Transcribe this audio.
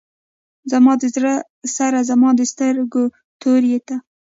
زما د زړه سره زما د سترګو توره ته یې.